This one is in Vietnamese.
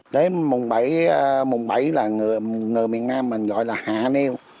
đến mùa bảy là người miền nam mình gọi là hạ niêu